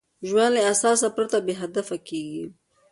ژوند له اساس پرته بېهدفه کېږي.